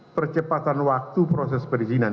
percepatan waktu proses perizinan